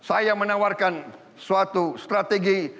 dan saya ingin mengucapkan terima kasih kepada pak joko widodo